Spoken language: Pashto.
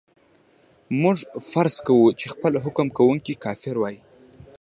موږ فرض کوو چې خپله حکم کوونکی کافر وای.